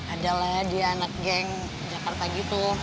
adalah dia anak geng jakarta gitu